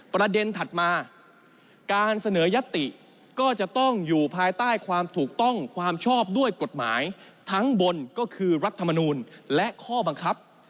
ถัดมาการเสนอยัตติก็จะต้องอยู่ภายใต้ความถูกต้องความชอบด้วยกฎหมายทั้งบนก็คือรัฐมนูลและข้อบังคับ